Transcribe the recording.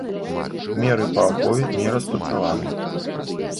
Меры па ахове не распрацаваны.